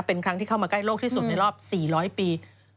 เป็นครั้งที่เข้ามาใกล้โลกที่สุดในรอบ๔๐๐ปี